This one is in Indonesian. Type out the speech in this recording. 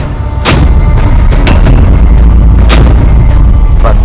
aku sudah menyiapkan pisau